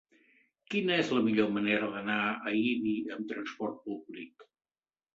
Quina és la millor manera d'anar a Ibi amb transport públic?